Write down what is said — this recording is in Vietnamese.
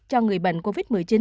cho người bệnh covid một mươi chín